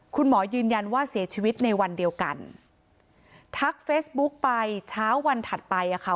คุณหมอยืนยันว่าเสียชีวิตในวันเดียวกันทักเฟซบุ๊กไปเช้าวันถัดไปอ่ะค่ะ